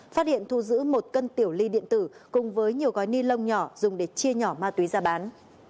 phát hiện thu giữ một cân tiểu ly điện tử cùng với nhiều gói ni lông nhỏ dùng để chia nhỏ ma túy ra bán